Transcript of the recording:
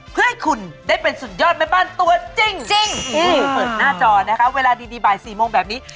เพื่อให้คุณได้เป็นสุดยอดแม่บ้านตัวจริงนี่เปิดหน้าจอนะคะเวลาดีบ่าย๔โมงแบบนี้